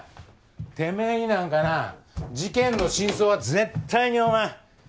てめぇになんかな事件の真相は絶対にお前。